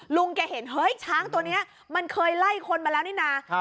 ลุงแกเห็นเฮ้ยช้างตัวนี้มันเคยไล่คนมาแล้วนี่นะ